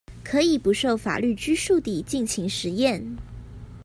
可以不受法律拘束地盡情實驗